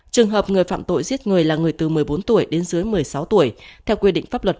trường hợp người phạm tội giết người là người từ một mươi bốn tuổi đến dưới một mươi sáu tuổi theo quy định pháp luật